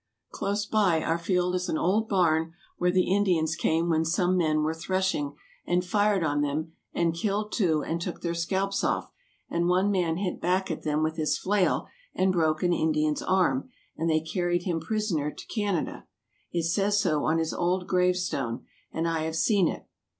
Close by our field is an old barn where the Indians came when some men were threshing, and fired on them, and killed two and took their scalps off, and one man hit back at them with his flail, and broke an Indian's arm, and they carried him prisoner to Canada. It says so on his old grave stone, and I have seen it.